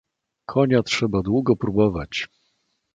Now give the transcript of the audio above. "Konia trzeba długo probować."